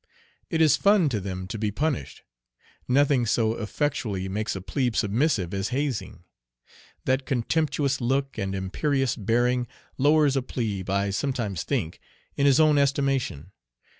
It is fun to them to be punished. Nothing so effectually makes a plebe submissive as hazing. That contemptuous look and imperious bearing lowers a plebe, I sometimes think, in his own estimation.